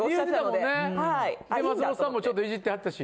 で松本さんもちょっとイジってはったし。